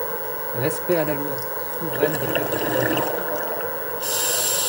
Respect à la Loi, souveraine des peuples qui la votent!